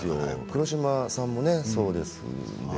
黒島さんもそうですよね。